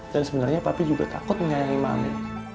dan sebenarnya papih juga takut menyayangi mami